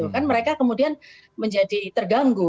dan mereka kemudian menjadi terganggu